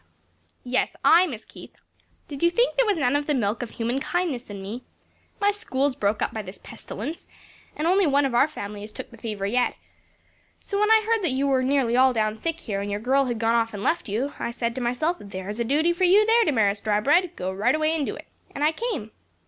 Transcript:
"Yes, I, Miss Keith. Did you think there was none of the milk of human kindness in me? My school's broke up by this pestilence, and only one of our family has took the fever yet; so when I heard that you were nearly all down sick here, and your girl had gone off and left you, I said to myself, 'There's a duty for you there, Damaris Drybread; go right away and do it,' And I came."